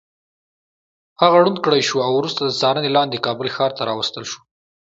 هغه ړوند کړی شو او وروسته د څارنې لاندې کابل ښار ته راوستل شو.